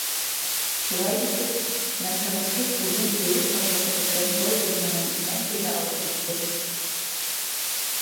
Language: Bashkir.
Шулай итеп, мәрхәмәтһеҙ үлем Бөйөк Башлығыбыҙҙы был донъянан мәнгегә алып китте.